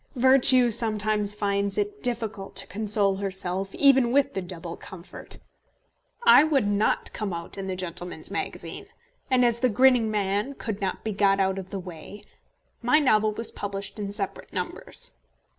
Virtue sometimes finds it difficult to console herself even with the double comfort. I would not come out in the Gentleman's Magazine, and as the Grinning Man could not be got out of the way, my novel was published in separate numbers.